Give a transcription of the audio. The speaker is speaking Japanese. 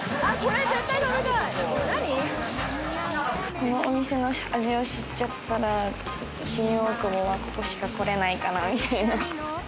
このお店の味を知っちゃったらちょっと新大久保は、ここしかこれないかなみたいな。